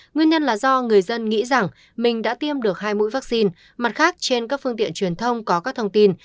nguyên nhân là do người dân nghĩ rằng mình đã tiêm được hai mũi vaccine mặt khác trên các phương tiện truyền thông có các thông tin